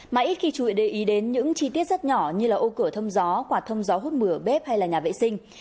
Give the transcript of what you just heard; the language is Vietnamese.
mà ít khi chú ý để ý đến những chi tiết rất nhỏ như là ô cửa thâm gió quạt thâm gió hút mửa bếp hay là nhà vệ sinh